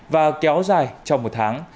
và kéo dài trong một tháng